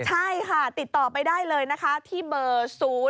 ใช่ค่ะติดต่อไปได้เลยนะคะที่เบอร์๐๔